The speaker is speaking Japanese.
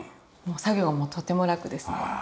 作業もとてもラクですね。